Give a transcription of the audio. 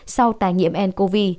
sau tái nhiễm ncov